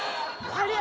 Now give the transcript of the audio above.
ありゃ！